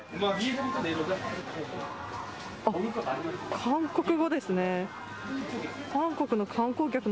あっ、韓国語ですね。